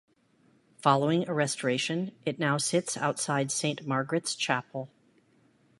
Following a restoration, it now sits outside Saint Margaret's Chapel.